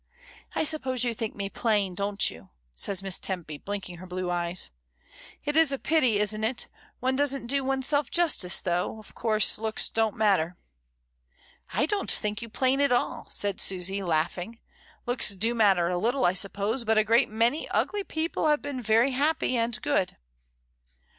I suppose you think me plain, don't you?" says Miss Tempy, blinking her blue eyes. "It is a pity, isn't it? — one doesn't do one self justice, though, of course, looks don't matter." "I don't think you plain at all," said Susy laugh ing, "looks do matter a little, I suppose; but a great many ugly people have been very happy, and good.'